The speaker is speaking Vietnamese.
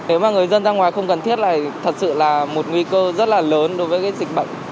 nếu mà người dân ra ngoài không cần thiết thì thật sự là một nguy cơ rất là lớn đối với cái dịch bệnh